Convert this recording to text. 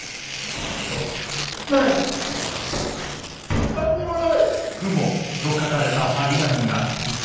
ない何にもない。